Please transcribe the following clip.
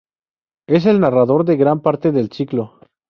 Es el narrador de gran parte del ciclo.